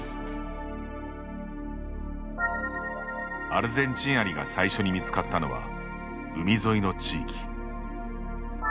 アルゼンチンアリが最初に見つかったのは海沿いの地域。